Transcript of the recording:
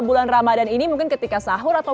bulan ramadhan ini mungkin ketika sahur atau